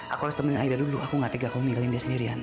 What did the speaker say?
aku harus nemenin aida dulu aku gak tega kalau meninggalin dia sendirian